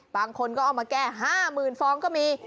บางคนก็เอามาแก้ห้ามื่นฟองก็มี